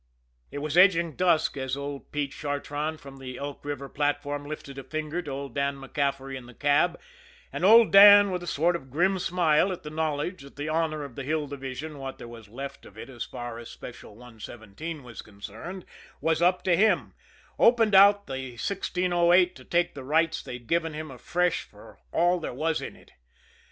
It was edging dusk as old Pete Chartrand, from the Elk River platform, lifted a finger to old Dan MacCaffery in the cab, and old Dan, with a sort of grim smile at the knowledge that the honor of the Hill Division, what there was left of it as far as Special 117 was concerned, was up to him, opened out the 1608 to take the "rights" they'd given him afresh for all there was in it.